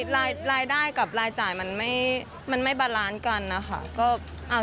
รายได้กับรายจ่ายมันไม่บาลานซ์กันนะคะ